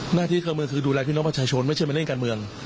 หน้าที่นักการเมืองคือดูแลพี่น้องประชาชนไม่ใช่เป็นหน้าที่การเมือง